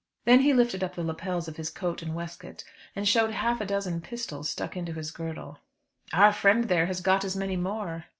Then he lifted up the lappets of his coat and waistcoat, and showed half a dozen pistols stuck into his girdle. "Our friend there has got as many more."